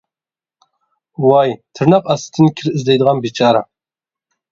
ۋاي تىرناق ئاستىدىن كىر ئىزدەيدىغان بىچارە.